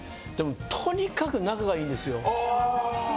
とにかく仲がいいんですよ。